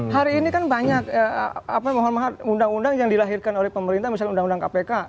hari ini kan banyak mohon mahal undang undang yang dilahirkan oleh pemerintah misalnya undang undang kpk